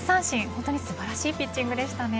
本当に素晴らしいピッチングでしたね。